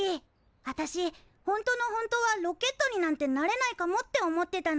あたしほんとのほんとはロケットになんてなれないかもって思ってたの。